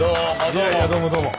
いやいやどうもどうも。